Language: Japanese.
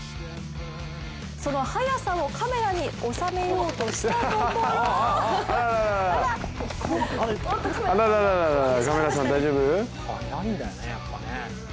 その速さをカメラに収めようとしたところ速いんだね、やっぱね。